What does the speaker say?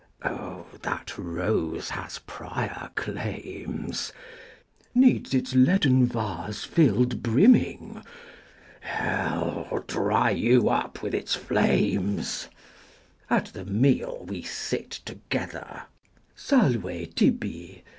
Oh, that rose has prior claims Needs its leaden vase filled brimming? Hell dry you up with its flames! II. At the meal we sit together: _Salve tibi!